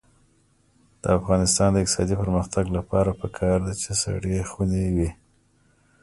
د افغانستان د اقتصادي پرمختګ لپاره پکار ده چې سړې خونې وي.